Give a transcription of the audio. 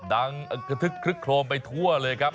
ดังคลึกโครมไปทั่วเลยครับ